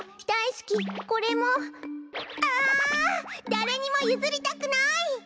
だれにもゆずりたくない！